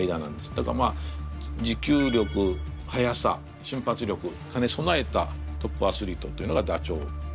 だからまあ持久力・速さ・瞬発力かねそなえたトップアスリートというのがダチョウになってきます。